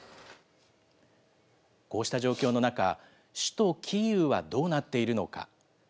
こうした状況の中、首都キーウはどうなっているのか。